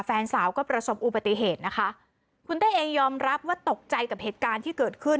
แฟนสาวก็ประสบอุบัติเหตุนะคะคุณเต้เองยอมรับว่าตกใจกับเหตุการณ์ที่เกิดขึ้น